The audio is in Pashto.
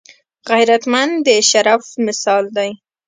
غیرتمند د شرف مثال دی